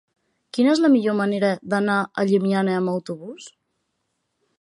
Quina és la millor manera d'anar a Llimiana amb autobús?